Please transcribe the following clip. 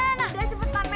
yaudah cepetan mer